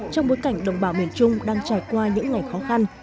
trong bối cảnh đồng bào miền trung đang trải qua những ngày khó khăn